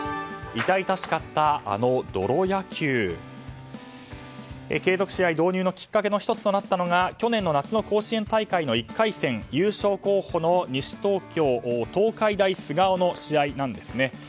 痛々しかった、あの泥野球。継続試合導入のきっかけの１つとなったのが去年の夏の甲子園大会の１回戦優勝候補の西東京東海大菅生の試合なんですね。